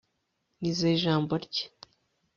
nizeye ijambo rye